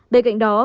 bên cạnh đó